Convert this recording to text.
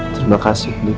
terima kasih din